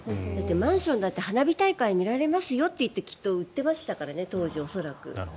マンションだって花火大会見られますよって言ってきっと売っていましたからね当時、恐らく。